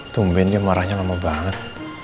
tumben dia marahnya lama banget